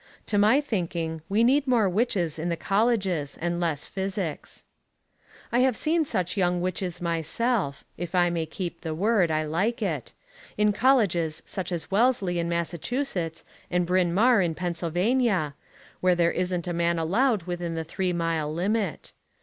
To my thinking, we need more witches in the colleges and less physics. I have seen such young witches myself, if I may keep the word: I like it, in colleges such as Wellesley in Massachusetts and Bryn Mawr in Pennsylvania, where there isn't a man allowed within the three mile limit.